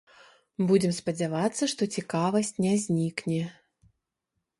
Будзем спадзявацца, што цікавасць не знікне.